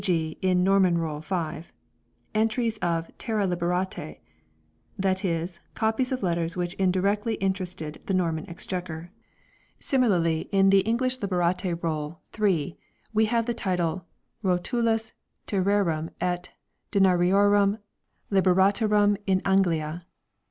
g. in Norman Roll, 5) entries of "terre liberate "; that is, copies of letters which indirectly interested the Norman Exchequer. Similarly in the 292 FINANCIAL RECORDS English Liberate Roll, 3, 1 we have the title " Rotulus Terrarum et Denariorum Liberatarum in Anglia